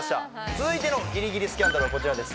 続いてのギリギリスキャンダルはこちらです